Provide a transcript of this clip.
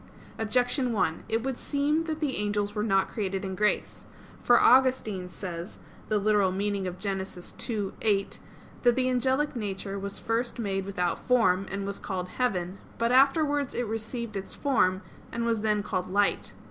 Objection 1: It would seem that the angels were not created in grace. For Augustine says (Gen. ad lit. ii, 8) that the angelic nature was first made without form, and was called "heaven": but afterwards it received its form, and was then called "light."